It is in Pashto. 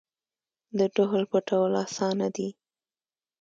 د ډهل پټول اسانه دي .